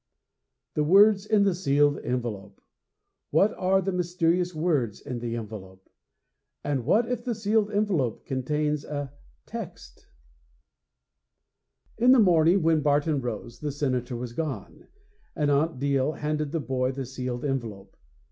The words in the sealed envelope! What are the mysterious words in the envelope? And what if the sealed envelope contains a text? III In the morning, when Barton rose, the Senator was gone, and Aunt Deel handed the boy the sealed envelope.